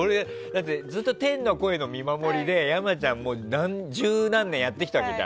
ずっと天の声の見守りで山ちゃんは十何年やってきたわけじゃん。